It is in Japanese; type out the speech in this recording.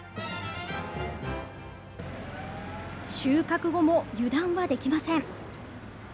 収穫後も油断はできません。